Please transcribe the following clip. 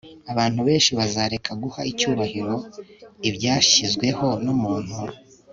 Abantu benshi bazareka guha icyubahiro ibyashyizweho numuntu